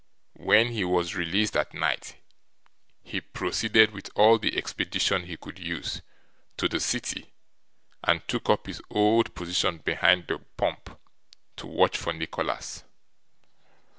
When he was released at night, he proceeded, with all the expedition he could use, to the city, and took up his old position behind the pump, to watch for Nicholas.